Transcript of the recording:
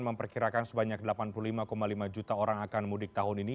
memperkirakan sebanyak delapan puluh lima lima juta orang akan mudik tahun ini